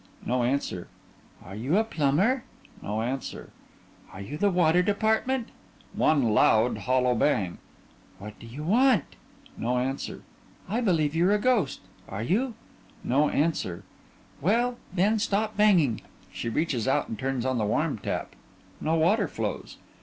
(No answer) Are you a plumber? (No answer) Are you the water department? (One loud, hollow bang) What do you want? (No answer) I believe you're a ghost. Are you? (No answer) Well, then, stop banging. (_She reaches out and turns on the warm tap. No water flows.